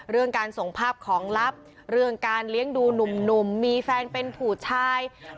เรื่องการส่งภาพของลับเรื่องการเลี้ยงดูหนุ่มมีแฟนเป็นผู้ชาย